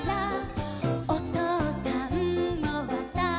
「おとうさんもわたしも」